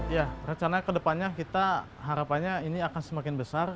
ya rencana kedepannya kita harapannya ini akan semakin besar